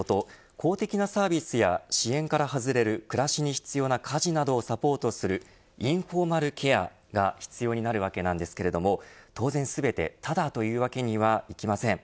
公的なサービスや支援から外れる暮らしに必要な家事などをサポートするインフォーマルケアが必要になるわけなんですけれど当然全てただというわけにはいきません。